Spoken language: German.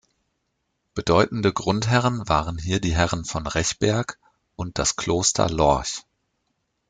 Bedeutende Grundherren waren hier die Herren von Rechberg und das Kloster Lorch.